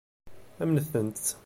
Umnent-tt.